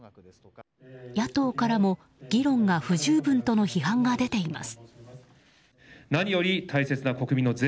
野党からも議論が不十分との批判が出ています。